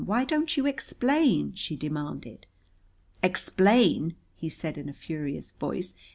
Why don't you explain?" she demanded. "Explain!" he said in a furious voice.